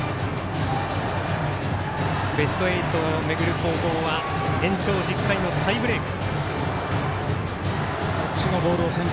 ベスト８を巡る攻防は延長１０回のタイブレーク。